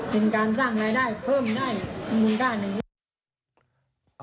เป็นการสร้างรายได้เพิ่มได้มูลการ